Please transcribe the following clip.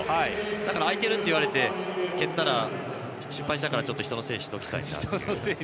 だから、空いてるといわれて蹴ったら失敗したから人のせいにしておきたいという。